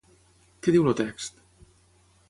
Què diu el text?